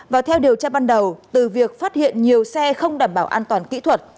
và theo điều tra ban đầu từ việc phát hiện nhiều xe không đảm bảo an toàn kỹ thuật